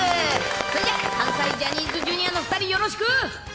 それじゃ、関西ジャニーズＪｒ．の２人、よろしく。